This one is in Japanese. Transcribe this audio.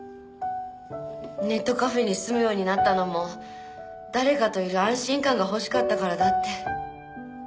ネットカフェに住むようになったのも誰かといる安心感が欲しかったからだって。